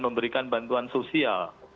memberikan bantuan sosial